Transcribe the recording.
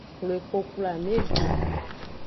Xwle koklo ameve.